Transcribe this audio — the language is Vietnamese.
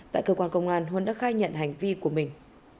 tại cơ quan công an huân đã khai nhận hành vi của mình